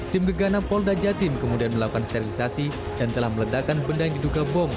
tim gegana polda jatim kemudian melakukan sterilisasi dan telah meledakan benda yang diduga bom